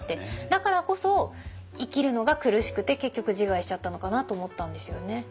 だからこそ生きるのが苦しくて結局自害しちゃったのかなと思ったんですよね。